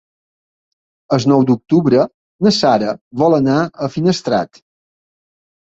El nou d'octubre na Sara vol anar a Finestrat.